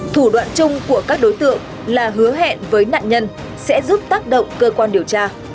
thủ đoạn chung của các đối tượng là hứa hẹn với nạn nhân sẽ giúp tác động cơ quan điều tra